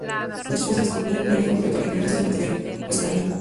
Dichos fósiles comprenden un cráneo incompleto y fragmentos del material postcraneal.